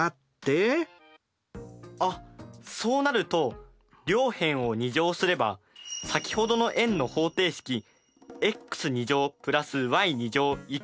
あっそうなると両辺を２乗すれば先ほどの円の方程式ｘ＋ｙ＝４が出てきます。